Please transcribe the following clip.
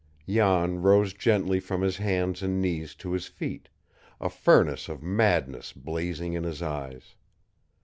Jan rose gently from his hands and knees to his feet, a furnace of madness blazing in his eyes.